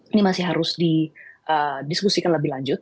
ini masih harus di diskusikan lebih lanjut